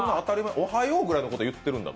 おはようぐらいのこと言ってるんだと？